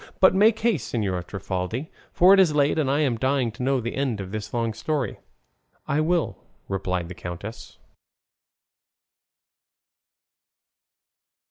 But make haste, Señora Trifaldi; for it is late, and I am dying to know the end of this long story." "I will," replied the countess.